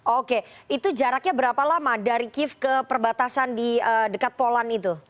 oke itu jaraknya berapa lama dari kiev ke perbatasan di dekat polan itu